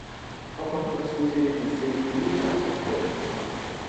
Том матар сүүлээрээ дэлсээд хүнийг ч алах чадалтай гэнэ.